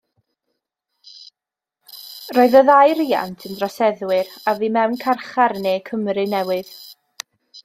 Roedd y ddau riant yn droseddwyr a fu mewn carchar yn Ne Cymru Newydd.